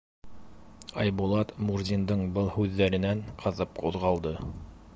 Айбулат Мурзиндың был һүҙҙәренән ҡыҙып ҡуҙғалды: